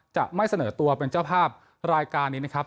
จะไม่เสนอตัวเป็นเจ้าภาพรายการนี้นะครับ